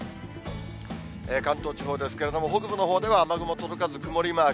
関東地方ですけれども、北部のほうでは雨雲続かず曇りマーク。